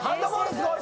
すごい！